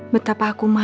betapa aku merasa